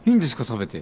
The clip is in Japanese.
食べて。